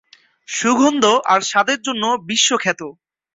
সুগন্ধ আর স্বাদের জন্য বিশ্বখ্যাত।